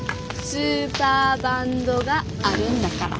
スーパーバンドがあるんだから。